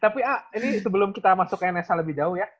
tapi a ini sebelum kita masuk ke nsa lebih jauh ya